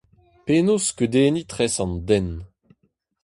Penaos skeudenniñ tres an den ?